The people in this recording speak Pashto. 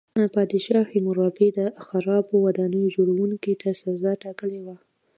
پادشاه هیمورابي د خرابو ودانیو جوړوونکو ته سزا ټاکلې وه.